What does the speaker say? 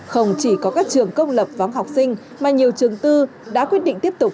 không chỉ có các trường công lập vắng học sinh mà nhiều trường tư đã quyết định tiếp tục